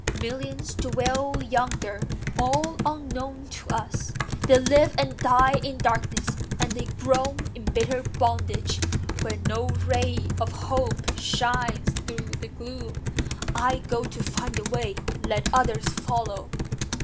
"Millions dwell yonder: all unknown to us, They live and die in darkness: and they groan In bitter bondage, where no ray of hope Shines through the gloom. I go to find the way: Let others follow."